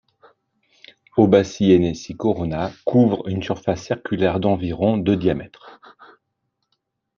Obasi Nsi Corona couvre une surface circulaire d'environ de diamètre.